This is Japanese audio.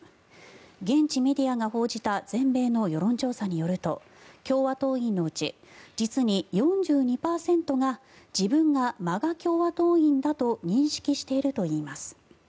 現地メディアが報じた全米の世論調査によると共和党員のうち実に４２％が自分がＭＡＧＡ共和党員だと認識しているといいます。